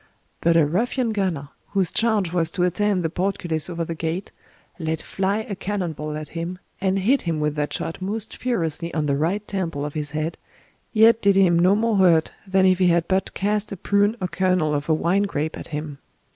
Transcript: But a ruffian gunner, whose charge was to attend the portcullis over the gate, let fly a cannon ball at him, and hit him with that shot most furiously on the right temple of his head, yet did him no more hurt than if he had but cast a prune or kernel of a wine grape at him.